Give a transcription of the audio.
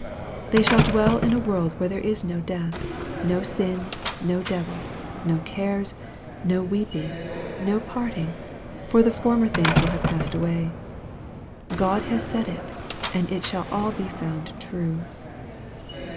They shall dwell in a world where there is no death, no sin, no devil, no cares, no weeping, no parting, for the former things will have passed away. God has said it, and it shall all be found true.